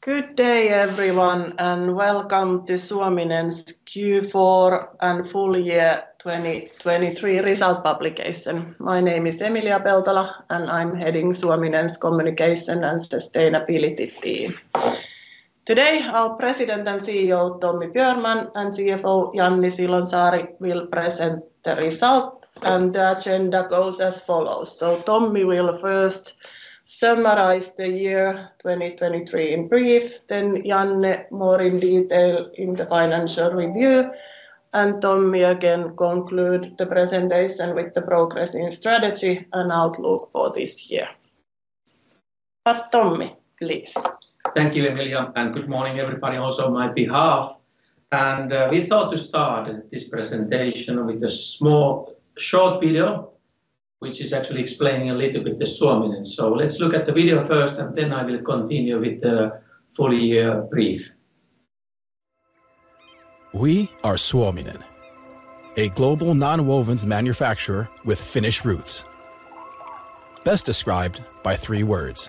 Good day everyone, and welcome to Suominen's Q4 and full year 2023 result publication. My name is Emilia Peltola, and I'm heading Suominen's Communication and Sustainability team. Today, our President and CEO, Tommi Björnman, and CFO, Janne Silonsaari, will present the result, and the agenda goes as follows: So Tommi will first summarize the year 2023 in brief, then Janne more in detail in the financial review, and Tommi again conclude the presentation with the progress in strategy and outlook for this year. But Tommi, please. Thank you, Emilia, and good morning everybody also on my behalf. And, we thought to start this presentation with a small, short video, which is actually explaining a little bit the Suominen. So let's look at the video first, and then I will continue with the full year brief. We are Suominen, a global nonwovens manufacturer with Finnish roots, best described by three words: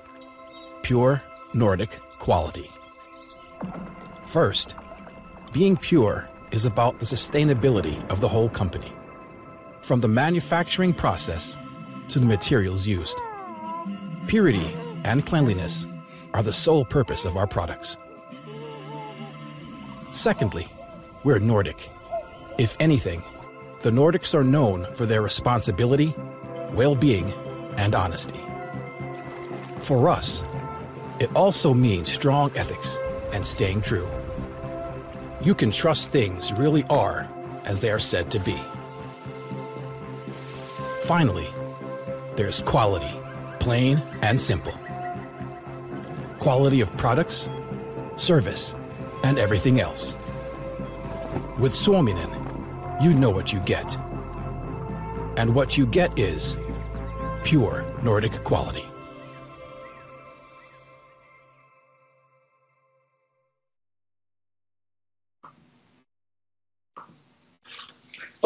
pure Nordic quality. First, being pure is about the sustainability of the whole company, from the manufacturing process to the materials used. Purity and cleanliness are the sole purpose of our products. Secondly, we're Nordic. If anything, the Nordics are known for their responsibility, well-being, and honesty. For us, it also means strong ethics and staying true. You can trust things really are as they are said to be. Finally, there's quality, plain and simple. Quality of products, service, and everything else. With Suominen, you know what you get, and what you get is pure Nordic quality.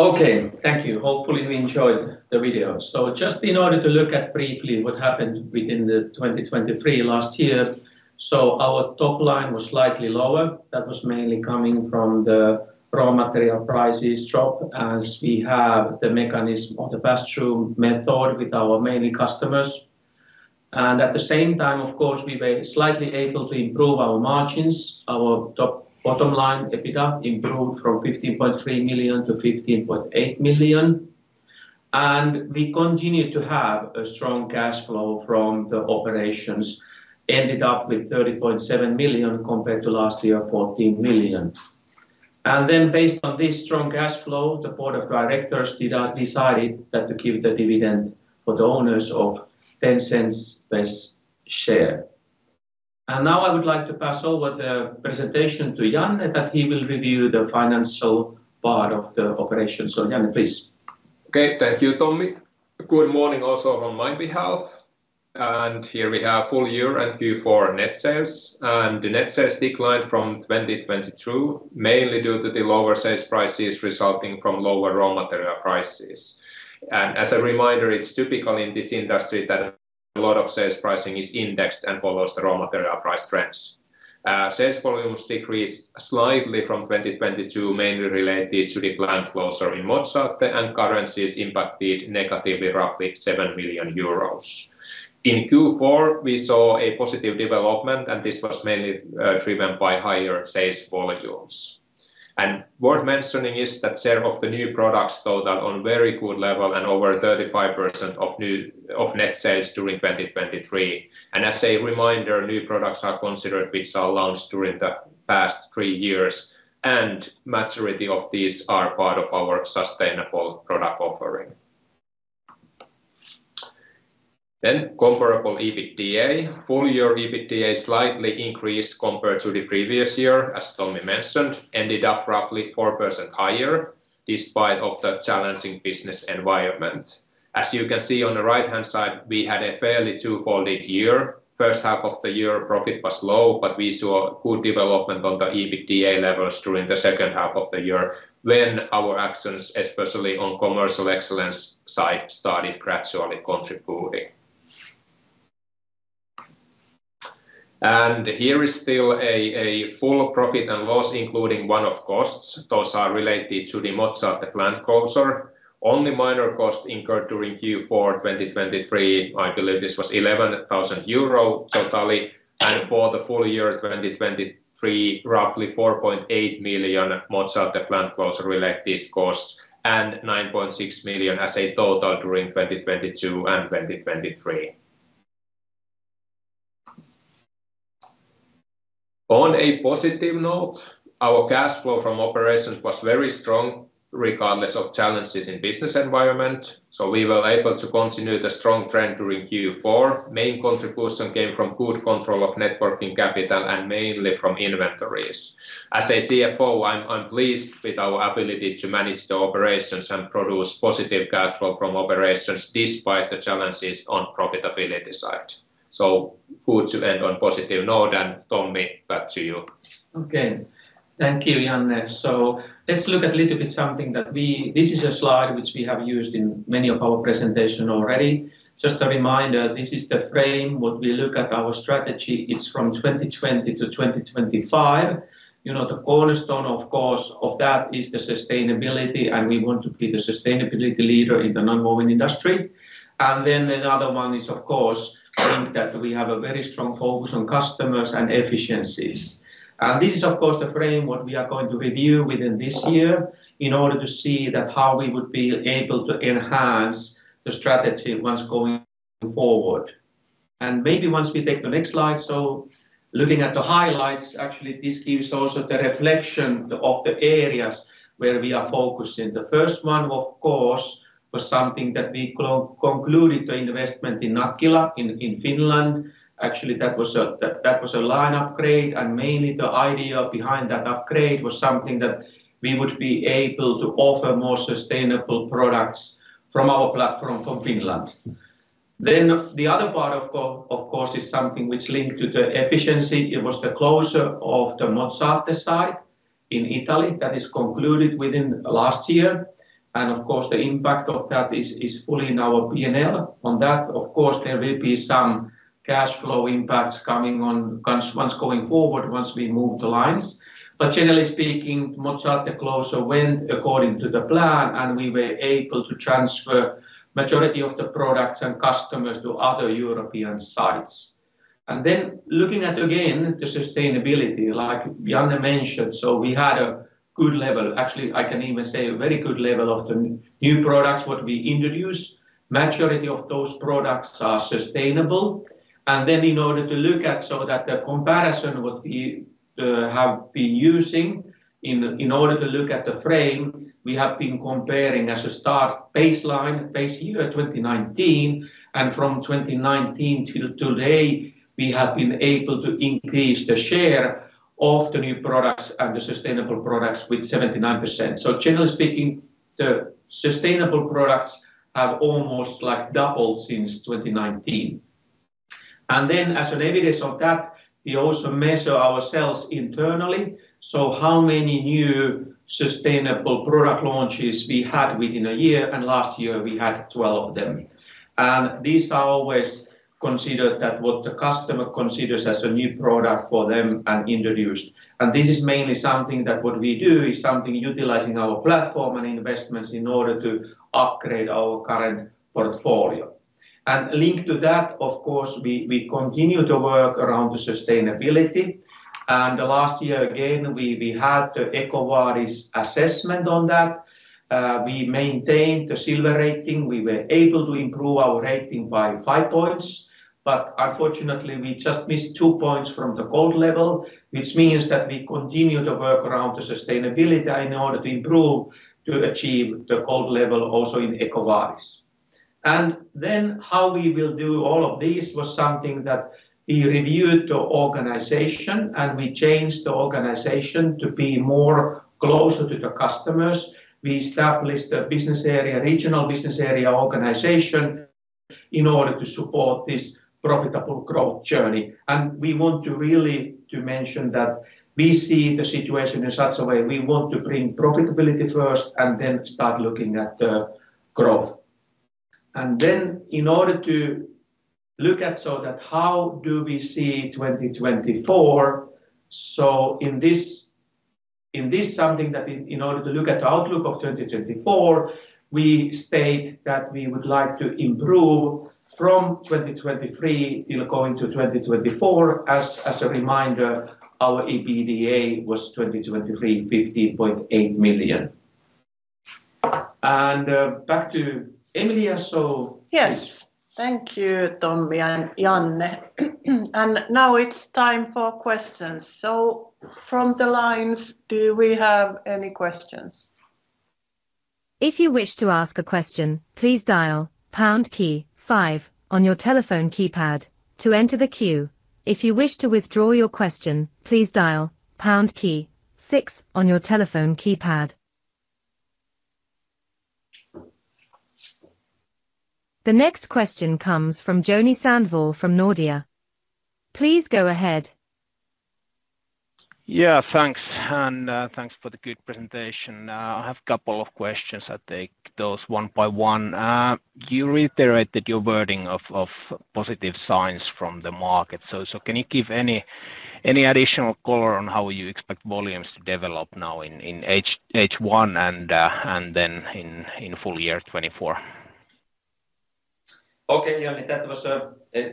Okay, thank you. Hopefully, we enjoyed the video. So just in order to look at briefly what happened within the 2023 last year, so our top line was slightly lower. That was mainly coming from the raw material prices drop, as we have the mechanism of the pass-through method with our mainly customers. And at the same time, of course, we were slightly able to improve our margins. Our top bottom line, EBITDA, improved from 15.3 million to 15.8 million. And we continued to have a strong cash flow from the operations, ended up with 30.7 million compared to last year, 14 million. And then based on this strong cash flow, the board of directors did decided that to give the dividend for the owners of 0.10 per share. Now, I would like to pass over the presentation to Janne, that he will review the financial part of the operation. Janne, please. Okay, thank you, Tommi. Good morning also on my behalf, and here we have full year and Q4 net sales. The net sales declined from 2022, mainly due to the lower sales prices resulting from lower raw material prices. And as a reminder, it's typical in this industry that a lot of sales pricing is indexed and follows the raw material price trends. Sales volumes decreased slightly from 2022, mainly related to the plant closure in Mozzate, and currencies impacted negatively, roughly 7 million euros. In Q4, we saw a positive development, and this was mainly driven by higher sales volumes. And worth mentioning is that share of the new products sold are on very good level and over 35% of new... of net sales during 2023. As a reminder, new products are considered, which are launched during the past three years, and majority of these are part of our sustainable product offering. Then comparable EBITDA. Full year EBITDA slightly increased compared to the previous year, as Tommi mentioned, ended up roughly 4% higher despite of the challenging business environment. As you can see on the right-hand side, we had a fairly two-folded year. First half of the year, profit was low, but we saw good development on the EBITDA levels during the second half of the year, when our actions, especially on commercial excellence side, started gradually contributing. Here is still a full profit and loss, including one-off costs. Those are related to the Mozzate plant closure. Only minor costs incurred during Q4 2023. I believe this was 11,000 euro totally, and for the full year 2023, roughly 4.8 million Mozzate plant closure-related costs, and 9.6 million as a total during 2022 and 2023. On a positive note, our cash flow from operations was very strong, regardless of challenges in business environment, so we were able to continue the strong trend during Q4. Main contribution came from good control of net working capital and mainly from inventories. As a CFO, I'm pleased with our ability to manage the operations and produce positive cash flow from operations despite the challenges on profitability side. So good to end on positive note, and Tommi, back to you.... Okay, thank you, Janne. So let's look at little bit something that we— This is a slide which we have used in many of our presentations already. Just a reminder, this is the frame what we look at our strategy. It's from 2020 to 2025. You know, the cornerstone, of course, of that is the sustainability, and we want to be the sustainability leader in the nonwovens industry. And then the other one is, of course, link that we have a very strong focus on customers and efficiencies. And this is, of course, the frame what we are going to review within this year in order to see that how we would be able to enhance the strategy once going forward. And maybe once we take the next slide, so looking at the highlights, actually, this gives also the reflection of the areas where we are focusing. The first one, of course, was something that we concluded the investment in Nakkila in Finland. Actually, that was a line upgrade, and mainly the idea behind that upgrade was something that we would be able to offer more sustainable products from our platform from Finland. Then the other part, of course, is something which linked to the efficiency. It was the closure of the Mozzate site in Italy that is concluded within last year. And of course, the impact of that is fully in our P&L. On that, of course, there will be some cash flow impacts coming once going forward, once we move the lines. But generally speaking, Mozzate closure went according to the plan, and we were able to transfer majority of the products and customers to other European sites. And then looking at, again, the sustainability, like Janne mentioned, so we had a good level. Actually, I can even say a very good level of the new products what we introduced. Majority of those products are sustainable. And then in order to look at, so that the comparison what we have been using in order to look at the frame, we have been comparing as a start baseline, base year 2019, and from 2019 till today, we have been able to increase the share of the new products and the sustainable products with 79%. So generally speaking, the sustainable products have almost like doubled since 2019. And then as an evidence of that, we also measure ourselves internally. So how many new sustainable product launches we had within a year, and last year we had 12 of them. These are always considered that what the customer considers as a new product for them and introduced. This is mainly something that what we do, is something utilizing our platform and investments in order to upgrade our current portfolio. Linked to that, of course, we continue to work around the sustainability, and last year, again, we had the EcoVadis assessment on that. We maintained the silver rating. We were able to improve our rating by five points, but unfortunately, we just missed two points from the gold level, which means that we continue to work around the sustainability in order to improve, to achieve the gold level also in EcoVadis. Then how we will do all of this was something that we reviewed the organization, and we changed the organization to be more closer to the customers. We established a business area, regional business area organization in order to support this profitable growth journey. And we want really to mention that we see the situation in such a way we want to bring profitability first and then start looking at the growth. And then in order to look at so that how do we see 2024, so in this, in order to look at the outlook of 2024, we state that we would like to improve from 2023 till going to 2024. As a reminder, our EBITDA was 2023, 50.8 million. And back to Emilia, so- Yes. Thank you, Tommi and Janne. Now it's time for questions. From the lines, do we have any questions? If you wish to ask a question, please dial pound key five on your telephone keypad to enter the queue. If you wish to withdraw your question, please dial pound key six on your telephone keypad. The next question comes from Joni Sandvall from Nordea. Please go ahead. Yeah, thanks. And, thanks for the good presentation. I have a couple of questions. I'll take those one by one. You reiterated your wording of positive signs from the market. So can you give any additional color on how you expect volumes to develop now in H1 and then in full year 2024? Okay, Joni, that was a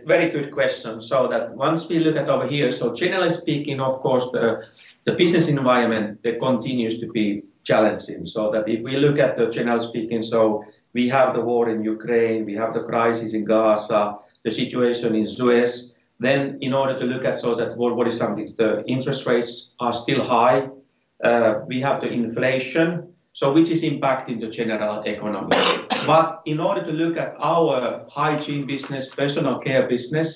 very good question. So, once we look at over here, so generally speaking, of course, the business environment, it continues to be challenging. So, if we look at generally speaking, so we have the war in Ukraine, we have the crisis in Gaza, the situation in Suez. Then, in order to look at, so that what is something, the interest rates are still high, we have the inflation, so which is impacting the general economy. But, in order to look at our hygiene business, personal care business,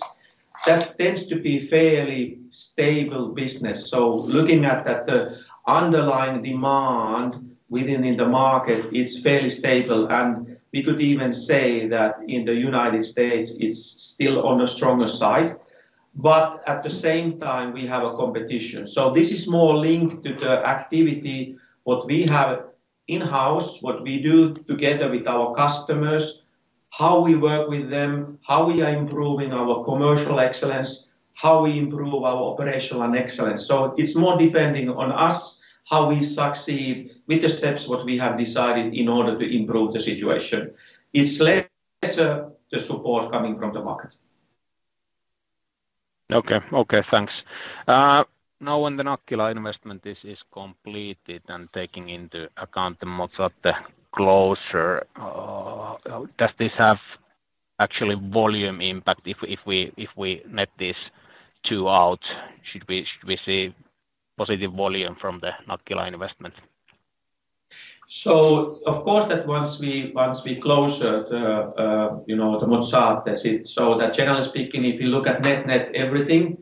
that tends to be fairly stable business. So, looking at the underlying demand within the market, it's fairly stable, and we could even say that in the United States, it's still on the stronger side... but at the same time, we have a competition. So this is more linked to the activity, what we have in-house, what we do together with our customers, how we work with them, how we are improving our commercial excellence, how we improve our operational excellence. So it's more depending on us, how we succeed with the steps, what we have decided in order to improve the situation. It's less, the support coming from the market. Okay. Okay, thanks. Now when the Nakkila investment is completed and taking into account the Mozzate closure, does this actually have volume impact? If we net this two out, should we see positive volume from the Nakkila investment? So of course, that once we close the Mozzate, you know, so that generally speaking, if you look at net, net everything,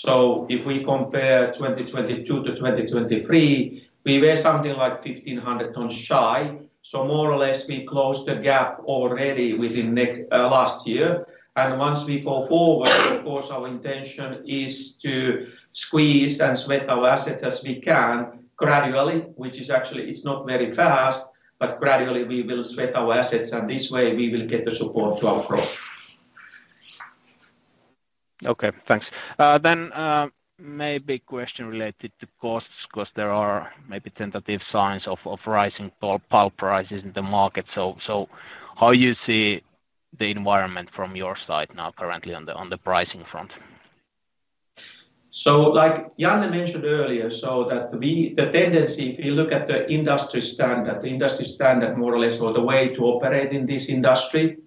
so if we compare 2022 to 2023, we were something like 1,500 tons shy. So more or less, we closed the gap already within last year. And once we go forward, of course, our intention is to squeeze and sweat our assets as we can gradually, which is actually it's not very fast, but gradually we will sweat our assets, and this way we will get the support to our growth. Okay, thanks. Then, maybe question related to costs, 'cause there are maybe tentative signs of rising pulp prices in the market. So, how you see the environment from your side now currently on the pricing front? So like Janne mentioned earlier, so that we—the tendency, if you look at the industry standard, the industry standard more or less, or the way to operate in this industry,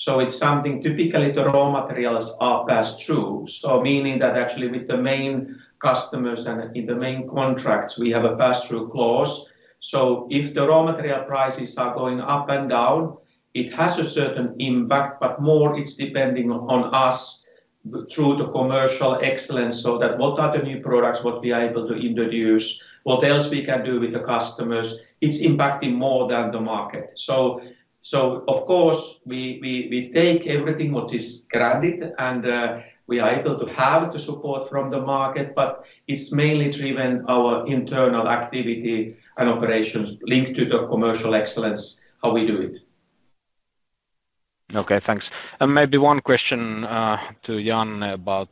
so it's something typically the raw materials are passed through. So meaning that actually with the main customers and in the main contracts, we have a pass-through clause. So if the raw material prices are going up and down, it has a certain impact, but more it's depending on us through the commercial excellence, so that what are the new products what we are able to introduce, what else we can do with the customers? It's impacting more than the market. So, of course, we take everything what is granted and, we are able to have the support from the market, but it's mainly driven our internal activity and operations linked to the commercial excellence, how we do it. Okay, thanks. And maybe one question to Jan about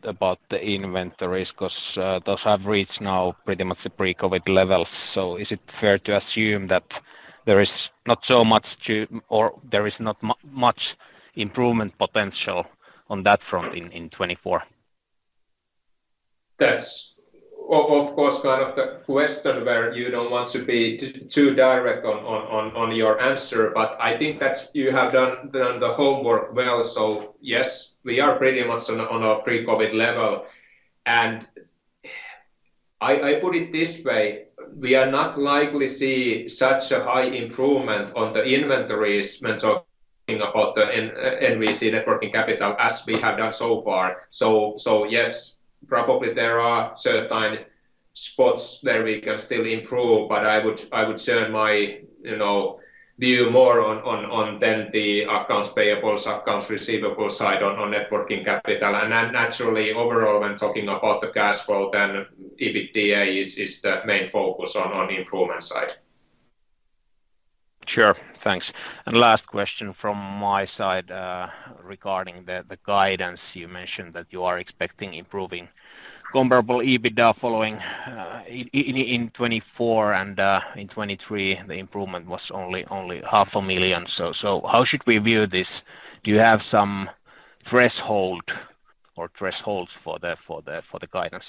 the inventories, 'cause those have reached now pretty much the pre-COVID levels. So is it fair to assume that there is not so much to... or there is not much improvement potential on that front in 2024? That's of course kind of the question where you don't want to be too direct on your answer, but I think that you have done the homework well. So yes, we are pretty much on a pre-COVID level. And I put it this way: we are not likely see such a high improvement on the inventories when talking about the net working capital as we have done so far. So yes, probably there are certain spots where we can still improve, but I would turn my, you know, view more on the accounts payables, accounts receivable side on net working capital. And then naturally, overall, when talking about the cash flow, then EBITDA is the main focus on the improvement side. Sure. Thanks. And last question from my side, regarding the guidance. You mentioned that you are expecting improving comparable EBITDA following in 2024 and in 2023, the improvement was only 0.5 million. So how should we view this? Do you have some threshold or thresholds for the guidance?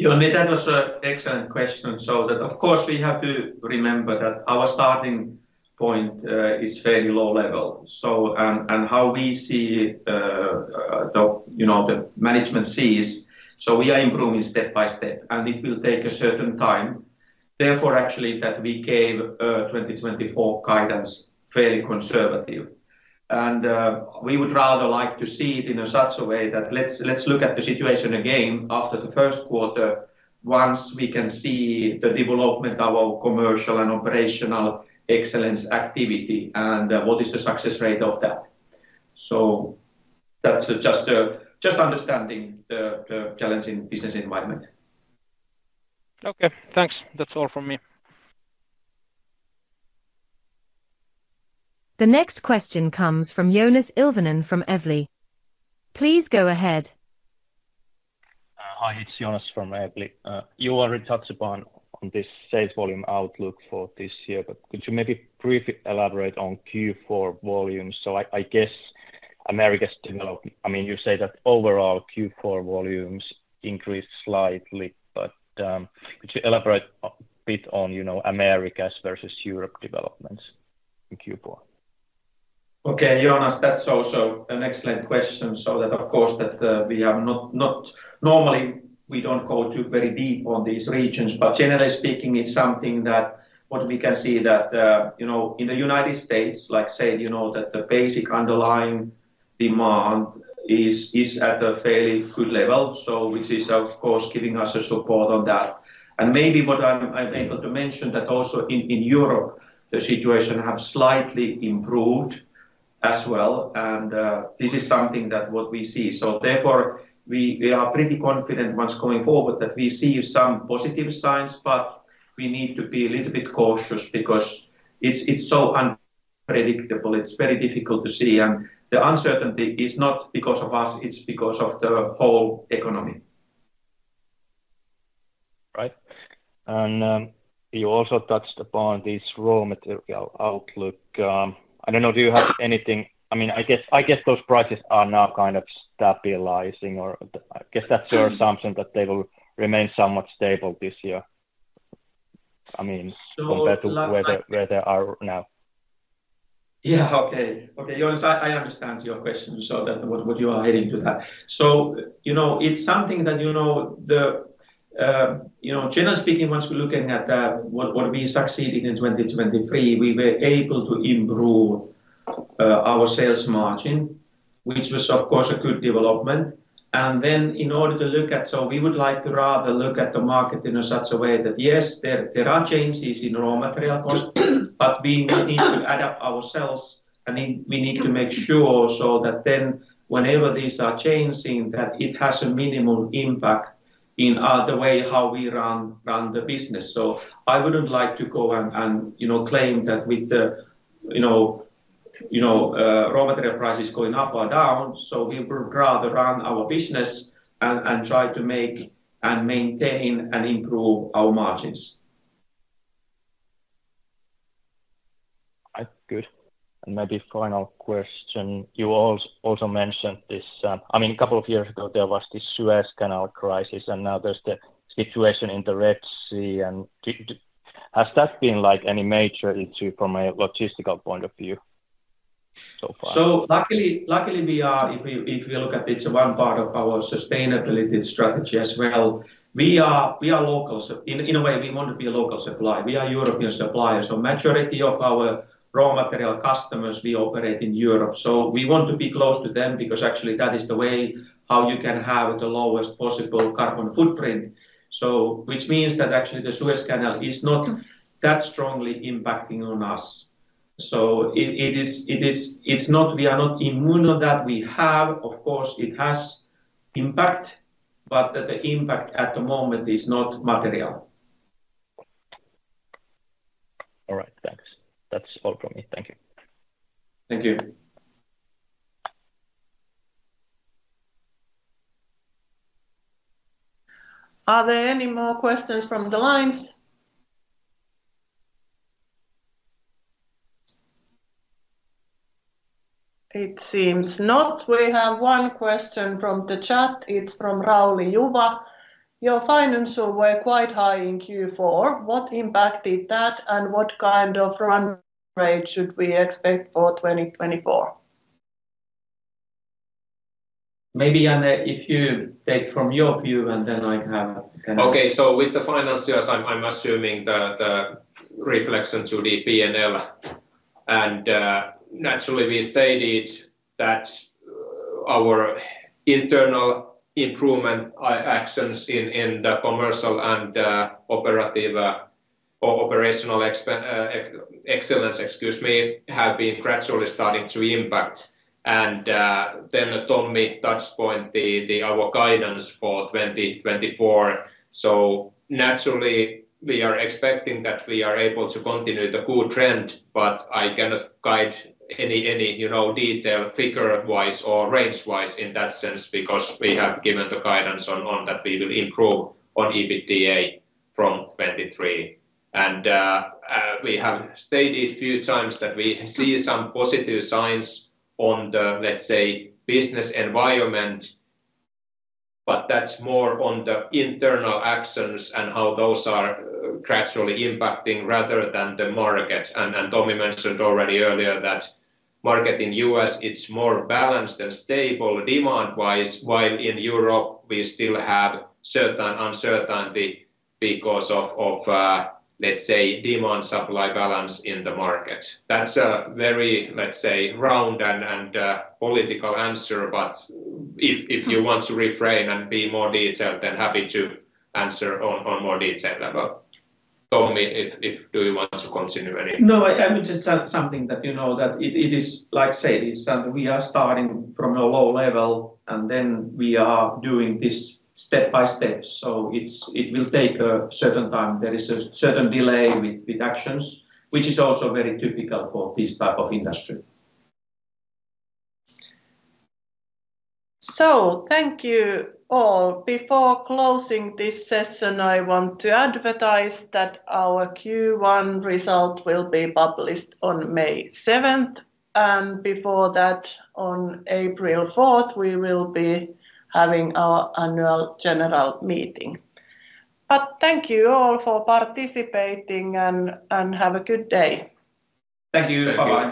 Joni, that was an excellent question. So that, of course, we have to remember that our starting point is fairly low level. So, and how we see, you know, the management sees, so we are improving step by step, and it will take a certain time. Therefore, actually, that we gave 2024 guidance fairly conservative. And, we would rather like to see it in such a way that let's look at the situation again after the first quarter, once we can see the development of our commercial and operational excellence activity and what is the success rate of that. So that's just understanding the challenging business environment. Okay, thanks. That's all from me. The next question comes from Joonas Ilvonen from Evli. Please go ahead. Hi, it's Joonas from Evli. You already touched upon on this sales volume outlook for this year, but could you maybe briefly elaborate on Q4 volumes? So I, I guess Americas development... I mean, you say that overall Q4 volumes increased slightly, but could you elaborate a bit on, you know, Americas versus Europe developments in Q4? Okay, Joonas, that's also an excellent question. So, of course, we are not normally, we don't go too very deep on these regions, but generally speaking, it's something that what we can see that, you know, in the United States, like say, you know, that the basic underlying demand is at a fairly good level, so which is, of course, giving us a support on that. And maybe what I'm able to mention that also in Europe, the situation have slightly improved... as well, and this is something that what we see. So therefore, we are pretty confident what's going forward, that we see some positive signs, but we need to be a little bit cautious because it's so unpredictable. It's very difficult to see, and the uncertainty is not because of us, it's because of the whole economy. Right. And, you also touched upon this raw material outlook. I don't know, do you have anything...? I mean, I guess, I guess those prices are now kind of stabilizing, or I guess that's your assumption, that they will remain somewhat stable this year. I mean- So- Compared to where they are now. Yeah, okay. Okay, Joonas, I, I understand your question, so that what, what you are heading to that. So, you know, it's something that, you know, the... You know, generally speaking, once we're looking at what, what we succeeded in 2023, we were able to improve our sales margin, which was, of course, a good development. And then in order to look at... So we would like to rather look at the market in such a way that, yes, there, there are changes in raw material cost, but we need to adapt ourselves, and we, we need to make sure so that then whenever these are changing, that it has a minimal impact in the way how we run, run the business. I wouldn't like to go and, you know, claim that with the, you know, you know, raw material prices going up or down, so we would rather run our business and try to make and maintain and improve our margins. Good. And maybe final question: You also mentioned this, I mean, a couple of years ago, there was this Suez Canal crisis, and now there's the situation in the Red Sea. And has that been, like, any major issue from a logistical point of view so far? So luckily, we are... If we look at it, it's one part of our sustainability strategy as well. We are local. So in a way, we want to be a local supplier. We are European supplier, so majority of our raw material customers, we operate in Europe. So we want to be close to them because actually that is the way how you can have the lowest possible carbon footprint. So which means that actually the Suez Canal is not that strongly impacting on us. So it is—it's not... We are not immune on that. We have... Of course, it has impact, but the impact at the moment is not material. All right. Thanks. That's all from me. Thank you. Thank you. Are there any more questions from the lines? It seems not. We have one question from the chat. It's from Rauli Juva. "Your financials were quite high in Q4. What impact did that, and what kind of run rate should we expect for 2024? Maybe, Janne, if you take from your view, and then I have kind of- Okay. So with the financials, I'm assuming the reflection to the P&L. And naturally, we stated that our internal improvement actions in the commercial and operational excellence, excuse me, have been gradually starting to impact. And then Tommi touched on the... Our guidance for 2024. So naturally, we are expecting that we are able to continue the good trend, but I cannot guide any you know detail figure-wise or range-wise in that sense, because we have given the guidance on that we will improve on EBITDA from 2023. And we have stated few times that we see some positive signs on the, let's say, business environment, but that's more on the internal actions and how those are gradually impacting rather than the market. Tommi mentioned already earlier that market in U.S., it's more balanced and stable demand-wise, while in Europe we still have certain uncertainty because of let's say, demand-supply balance in the market. That's a very, let's say, round and political answer, but if you want to reframe and be more detailed, then happy to answer on more detail level. Tommi... Do you want to continue anything? No, I mean, just, something that you know, that it, it is like Sadis, and we are starting from a low level, and then we are doing this step by step, so it will take a certain time. There is a certain delay with actions, which is also very typical for this type of industry. Thank you all. Before closing this session, I want to advertise that our Q1 result will be published on May 7th, and before that, on April 4th, we will be having our annual general meeting. Thank you all for participating, and have a good day. Thank you. Thank you. Bye-bye.